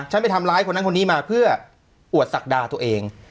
ไปทำร้ายคนนั้นคนนี้มาเพื่ออวดศักดาตัวเอง